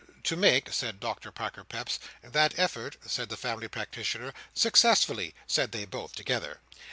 "To make," said Doctor Parker Peps. "That effort," said the family practitioner. "Successfully," said they both together.